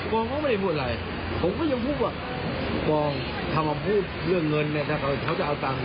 ผู้กองเขาไม่ได้พูดอะไรผมก็ยังพูดว่าผู้กองเขามาพูดเรื่องเงินเนี้ย